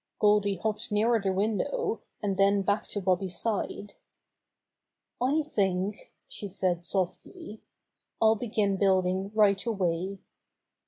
Goldy hopped nearer the window, and then back to Bobby's side. "I think," she said softly, "I'll begin building right away."